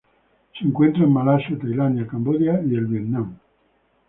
Se encuentra en Malasia Tailandia Camboya y el Vietnam.